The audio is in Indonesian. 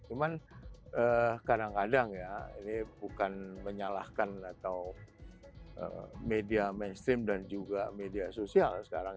cuman kadang kadang ya ini bukan menyalahkan atau media mainstream dan juga media sosial sekarang